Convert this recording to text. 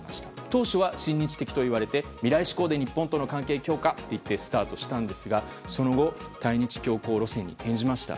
当初は親日的といわれて未来志向で日本との関係強化といってスタートしたんですがその後対日強硬路線に転じました。